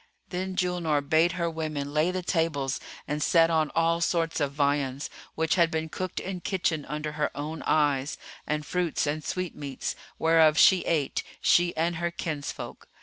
Then Julnar bade her women lay the tables and set on all sorts of viands, which had been cooked in kitchen under her own eyes, and fruits and sweetmeats, whereof she ate, she and her kinsfolk.